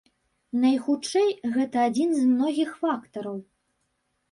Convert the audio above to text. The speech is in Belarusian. Найхутчэй, гэта адзін з многіх фактараў.